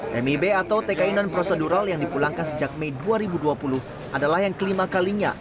pmib atau tki non prosedural yang dipulangkan sejak mei dua ribu dua puluh adalah yang kelima kalinya